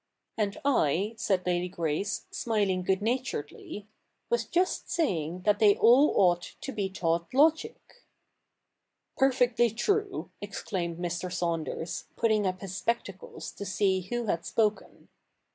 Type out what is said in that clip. ' And L' said Lady Grace, smiling good naturedly, ' was just saying that they all ought to be taught logic' ' Perfectly true,' exclaimed ]Mr. Saunders, putting up his spectacles to see who had spoken.